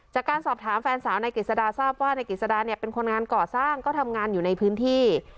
จากการสอบถามแฟนสาวนายกฤษฎาทราบว่านายกฤษดาเนี่ยเป็นคนงานก่อสร้างก็ทำงานอยู่ในพื้นที่